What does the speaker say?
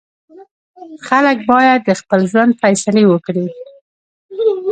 خلک باید د خپل ژوند فیصلې وکړي.